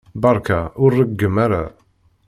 Beṛka ur reggem ara!